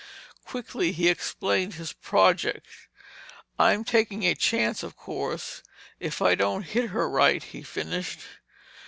Quickly he explained his project. "I'm taking a chance, of course, if I don't hit her right," he finished.